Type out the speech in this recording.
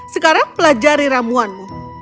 sekarang pelajari ramuanmu